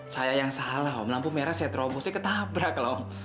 saya yang salah om lampu merah saya terobos saya ketabrak lah om